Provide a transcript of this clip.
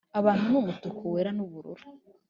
abantu ni umutuku wera n'ubururu,